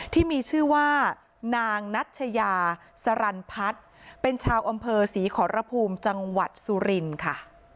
ที่มีชื่อว่านางนัชยาสรรพัฒน์เป็นชาวอำเภอศรีขอรภูมิจังหวัดสุรินค่ะ